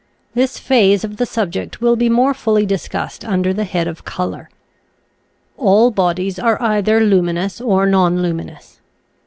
This phase of the subject will be more fully discussed under the head of Color. All bodies are either luminous or nonlumin ous.